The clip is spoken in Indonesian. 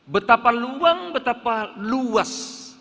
betapa luang betapa luas